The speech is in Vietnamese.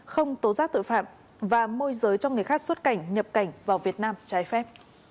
không tố giác tội phạm và môi giới cho người khác xuất cảnh nhập cảnh vào việt nam trái phép